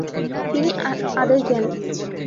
তিনি আদেশ দেন।